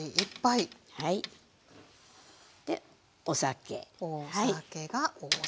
でお酒。